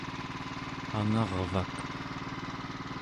angarvak